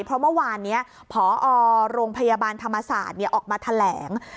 เพราะเมื่อวานนี้พอโรงพยาบาลธรรมศาสตร์ออกมาแถลง